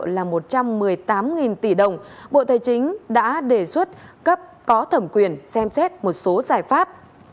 là một trăm một mươi tám tỷ đồng bộ tài chính đã đề xuất cấp có thẩm quyền xem xét một số giải pháp